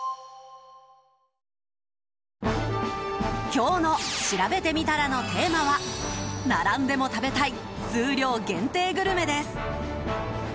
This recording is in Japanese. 今日のしらべてみたらのテーマは並んでも食べたい数量限定グルメです。